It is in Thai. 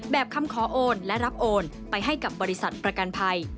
แบบคำขอโอนและรับโอนไปให้กับบริษัทประกันภัย